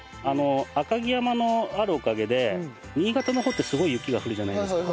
赤城山のあるおかげで新潟の方ってすごい雪が降るじゃないですか。